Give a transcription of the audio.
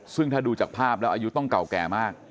ซึ่งถ้าดูจากภาพแล้วอายุต้องเก่าแก่มาก